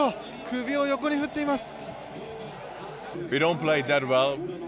首を横に振っています。